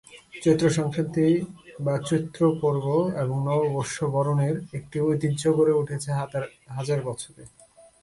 চৈত্রসংক্রান্তি বা চৈত্রপরব এবং নববর্ষ বরণের একটি ঐতিহ্য গড়ে উঠেছে হাজার বছরে।